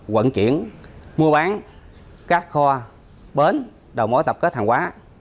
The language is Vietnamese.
quận chuyển mua bán các kho bến đầu mối tập kết hàng hóa